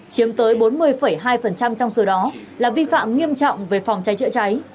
chiếm tới bốn mươi hai trong số đó là vi phạm nghiêm trọng về phòng cháy chữa cháy